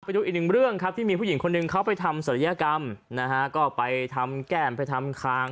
ไปดูอีกหนึ่งเรื่องครับที่มีผู้หญิงคนหนึ่งเขาไปทำศัลยกรรมนะฮะก็ไปทำแก้มไปทำคาง